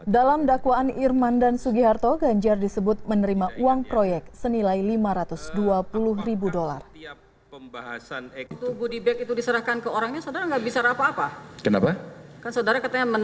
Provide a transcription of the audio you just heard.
dalam dakwaan irman dan sugiharto ganjar disebut menerima uang proyek senilai lima ratus dua puluh ribu dolar